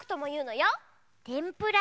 てんぷら？